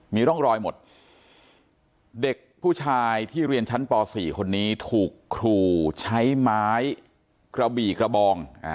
มีร่องรอยหมดเด็กผู้ชายที่เรียนชั้นป๔คนนี้ถูกครูใช้ไม้กระบี่กระบอง